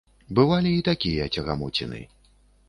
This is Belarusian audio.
Бывалі і такія цягамоціны.